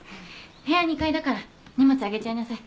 部屋２階だから荷物上げちゃいなさい。